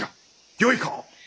よいか！